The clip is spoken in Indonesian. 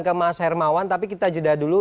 ke mas hermawan tapi kita jeda dulu